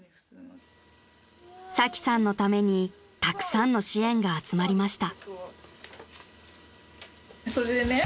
［サキさんのためにたくさんの支援が集まりました］